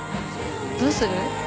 どうする？